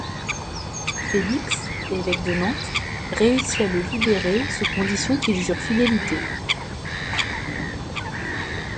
Félix, évêque de Nantes, réussit à le libérer sous condition qu'il lui jure fidélité.